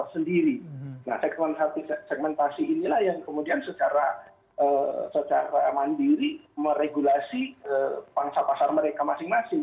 segmentasi segmentasi ini lah yang kemudian secara mandiri meregulasi pasar pasar mereka masing masing